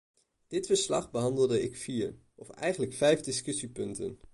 Dit verslag behandelde vier, of eigenlijk vijf discussiepunten.